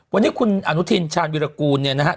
วันนี้คุณอนุทินชาญวิรากูลเนี่ยนะครับ